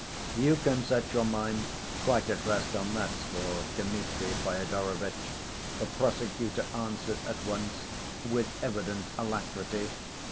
"You can set your mind quite at rest on that score, Dmitri Fyodorovitch," the prosecutor answered at once, with evident alacrity.